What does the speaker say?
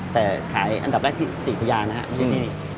แต่ขายอันดับแรกที่๔พยานนะครับไม่ใช่ที่นี่